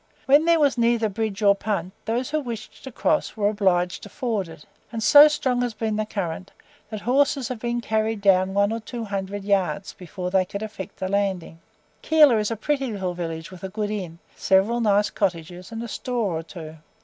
When there was neither bridge nor punt, those who wished to cross were obliged to ford it; and so strong has been the current, that horses have been carried down one or two hundred yards before they could effect a landing. Keilor is a pretty little village with a good inn, several nice cottages, and a store or two.